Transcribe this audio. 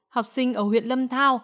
học sinh ở huyện lâm thao